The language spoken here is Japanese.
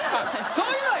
そういうのは。